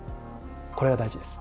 これが大事です。